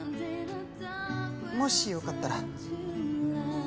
もしよかったら。